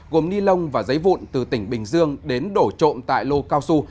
gồm ni lông và giấy vụn từ tỉnh bình dương đến đổ trộm tại lô cao su